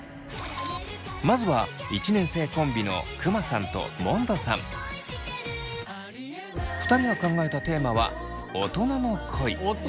まずは１年生コンビの２人が考えた大人の恋！